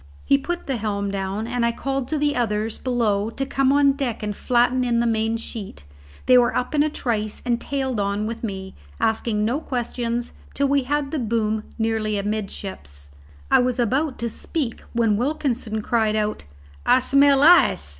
He put the helm down, and I called to the others below to come on deck and flatten in the main sheet. They were up in a trice and tailed on with me, asking no questions, till we had the boom nearly amidships. I was about to speak when Wilkinson cried out, "I smell ice."